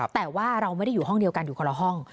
แต่ว่าเราไม่ได้อยู่ห้องเดียวกันอยู่คนละห้อง